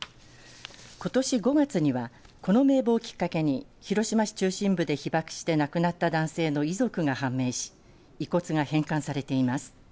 ことし５月にはこの名簿をきっかけに広島市中心部で被爆して亡くなった男性の遺族が判明し遺骨が返還されています。